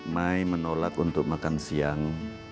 mai menolak untuk makan siang